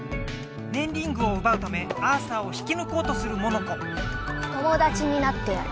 ねんリングをうばうためアーサーを引きぬこうとするモノコ友達になってやる！